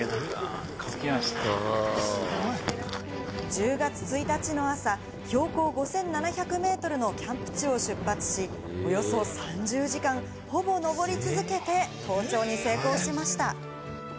１０月１日の朝、標高５７００ｍのキャンプ地を出発し、およそ３０時間、ほぼ登り続けて登頂に成功しました。